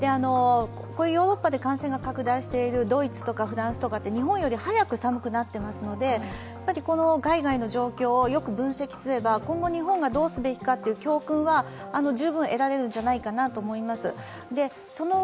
ヨーロッパで感染が拡大しているドイツとかフランスって日本より早く寒くなってますので海外の状況をよく分析すれば、今後、日本はどうすべきかの教訓は十分得られるんじゃないかなと思います。